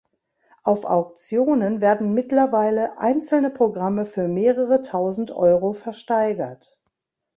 Auf Auktionen werden mittlerweile einzelne Programme für mehrere Tausend Euro versteigert.